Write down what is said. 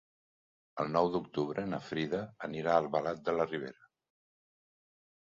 El nou d'octubre na Frida anirà a Albalat de la Ribera.